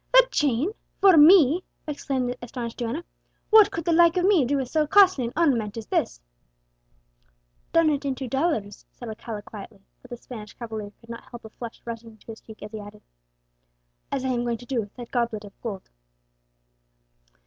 "The chain for me!" exclaimed the astonished duenna; "what could the like of me do with so costly an ornament as this?" "Turn it into dollars," said Alcala quietly; but the Spanish cavalier could not help a flush rising to his cheek as he added, "as I am going to turn the goblet of gold."